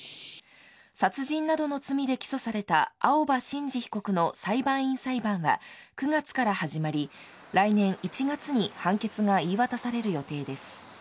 殺人などの罪で起訴された青葉真司被告の裁判員裁判は、９月から始まり、来年１月に判決が言い渡される予定です。